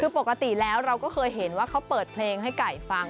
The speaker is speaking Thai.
คือปกติแล้วเราก็เคยเห็นว่าเขาเปิดเพลงให้ไก่ฟัง